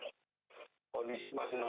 nah berlangsung beberapa waktu